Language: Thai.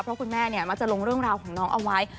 เพราะคุณแม่มักจะลงเรื่องราวของน้องเอาไว้